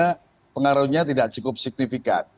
karena pengaruhnya tidak cukup signifikan